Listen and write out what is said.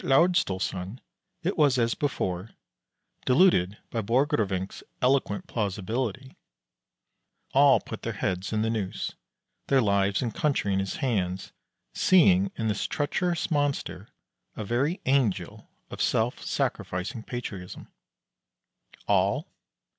At Laersdalsoren it was as before: deluded by Borgrevinck's eloquent plausibility, all put their heads in the noose, their lives and country in his hands, seeing in this treacherous monster a very angel of self sacrificing patriotism. All?